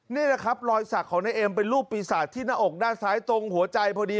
นี่แหละครับรอยสักของนายเอ็มเป็นรูปปีศาจที่หน้าอกด้านซ้ายตรงหัวใจพอดี